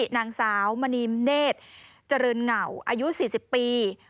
นางสาวมณีมเนธเจริญเหงาอายุ๔๐ปี